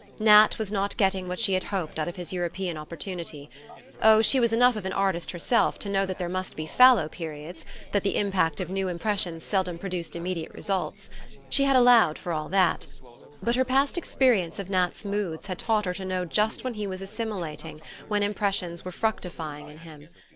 Nat was not getting what she had hoped out of his European opportunity. Oh, she was enough of an artist herself to know that there must be fallow periods that the impact of new impressions seldom produced immediate results. She had allowed for all that. But her past experience of Nat's moods had taught her to know just when he was assimilating, when impressions were fructifying in him.